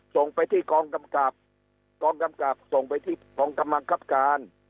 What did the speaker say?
ส่งไปที่กองกำกับกองกำกับส่งไปที่กองกำลังคับการ